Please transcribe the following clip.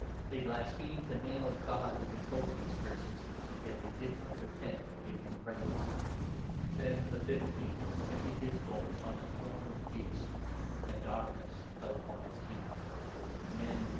They blasphemed the Name of God who controlled these Curses, yet they did not repent and give him praise. Then the fifth angel emptied his bowl upon the throne of the ic * Exod. 15. i ; Josh. 14. 7; Ps. MI. a; Exod.